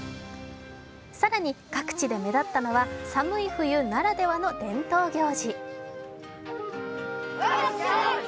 更に各地で目立ったのは寒い冬ならではの伝統行事。